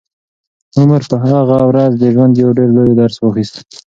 عمر په هغه ورځ د ژوند یو ډېر لوی درس واخیست.